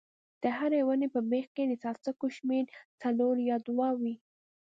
د هرې ونې په بیخ کې د څاڅکو شمېر څلور یا دوه وي.